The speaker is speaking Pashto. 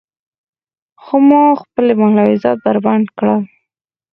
خو ما خپلې ملاحظات بربنډ کړل.